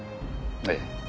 ええ。